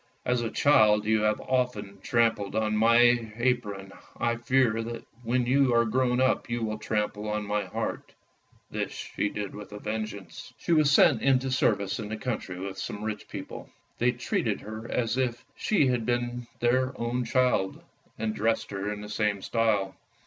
"As a child you have often trampled on my apron, I fear when you are grown up you will trample on my heart! " This she did with a vengeance. She was sent into service in the country with some rich people. They treated her as if she had been their own child* 119 120 ANDERSEN'S FAIRY TALES and dressed her in the same style.